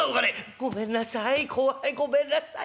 「ごめんなさい怖いごめんなさい。